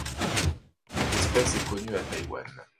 Cette espèce est connue à Taiwan.